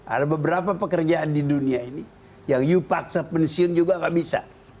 ada beberapa pekerjaan di dunia ini yang you paksa pensiun juga gak bisa